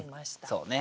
そうね。